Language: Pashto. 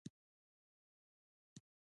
د سږو د پاکوالي لپاره د څه شي اوبه وڅښم؟